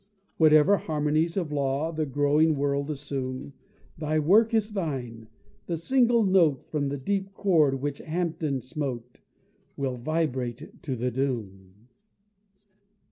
Whatever harmonies of law The growing world assume, Thy work is thine the single note From that deep chord which Hampden smote Will vibrate to the doom.